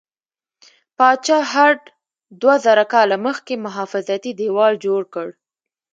پاچا هرډ دوه زره کاله مخکې محافظتي دیوال جوړ کړ.